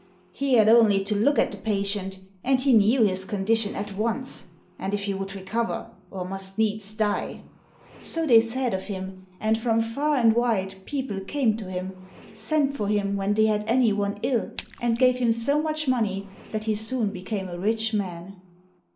"He had only to look at the patient and he knew his condition at once, and if he would recover, or must needs die." So they said of him, and from far and wide people came to him, sent for him when they had any one ill, and gave him so much money that he soon became a rich man.